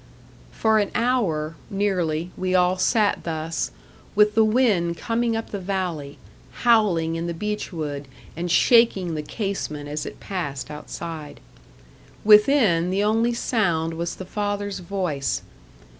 For an hour, nearly, we all sat thus with the wind coming up the valley, howling in the beech wood, and shaking the casement as it passed outside. Within, the only sound was the father's voice.